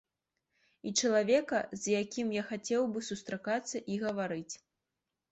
І чалавека, з якім я хацеў бы сустракацца і гаварыць.